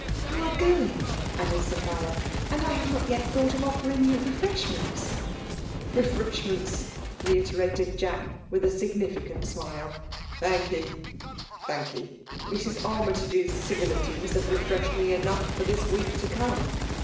'''You are going, added Sophia, ^wA I have not yet thought of offering you refresh ments l" f '' Befreshments ?" reiterated Jack, with a significant smile. ''Thankee, thankee! Mrs. Armytage's civilities have refreshed me enough Jbr this week to come.